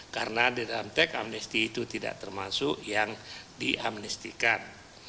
karena di dalam tekamnesti itu tidak termasuk yang diamnestikan